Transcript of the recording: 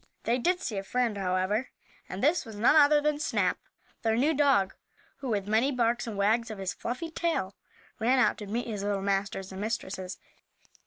They did see a friend, however, and this was none other than Snap, their new dog, who, with many barks and wags of his fluffy tail, ran out to meet his little masters and mistresses.